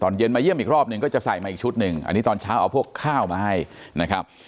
เย็นมาเยี่ยมอีกรอบหนึ่งก็จะใส่มาอีกชุดหนึ่งอันนี้ตอนเช้าเอาพวกข้าวมาให้นะครับ